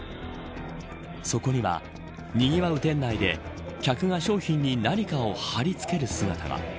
そこには、にぎわう店内で客が商品に何かを貼り付ける姿が。